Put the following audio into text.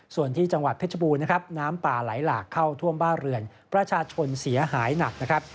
ส่วนที่จังหวัดเพชรบูรณนะครับน้ำป่าไหลหลากเข้าท่วมบ้านเรือนประชาชนเสียหายหนักนะครับ